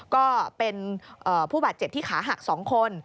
ก็เป็นผู้บาดเจ็บที่ขาหัก๒คน